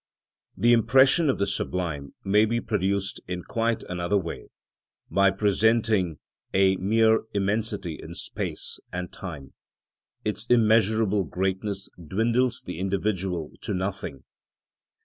The impression of the sublime may be produced in quite another way, by presenting a mere immensity in space and time; its immeasurable greatness dwindles the individual to nothing.